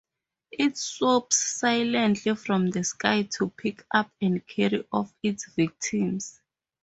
It swoops silently from the sky to pick up and carry off its victims.